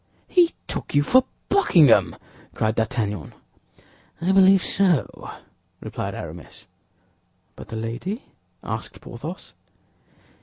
'" "He took you for Buckingham!" cried D'Artagnan. "I believe so," replied Aramis. "But the lady?" asked Porthos.